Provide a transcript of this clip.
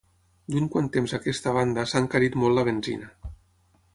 D'un quant temps a aquesta banda s'ha encarit molt la benzina.